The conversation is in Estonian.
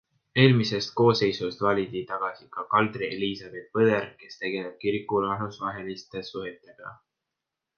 Eelmisest koosseisust valiti tagasi ka Kadri Eliisabet Põder, kes tegeleb kiriku rahvusvaheliste suhetega.